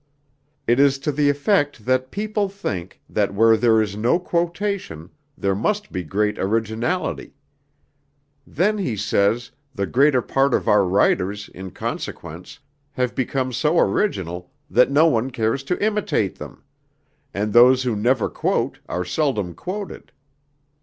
"It is to the effect that people think that where there is no quotation there must be great originality. Then he says, 'the greater part of our writers, in consequence, have become so original that no one cares to imitate them; and those who never quote are seldom quoted.'